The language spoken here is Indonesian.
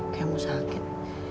kayak mau sakit